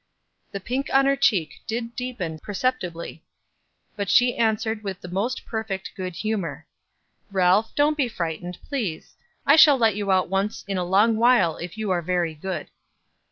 The pink on her cheek did deepen perceptibly, but she answered with the most perfect good humor: "Ralph, don't be frightened, please. I shall let you out once in a long while if you are very good."